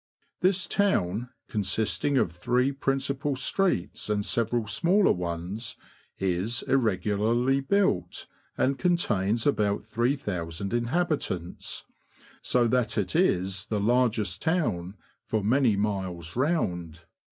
This town, consisting of three principal streets and several smaller ones, is irregularly built, and contains about 3000 inhabitants, so that it is the largest town for many miles round.